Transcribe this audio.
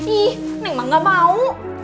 ih neng mah gak mau